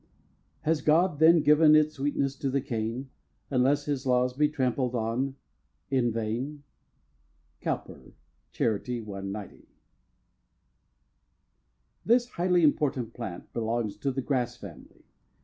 Has God then given its sweetness to the cane, Unless His laws be trampled on—in vain? —Cowper: Charity, 190. This highly important plant belongs to the grass family.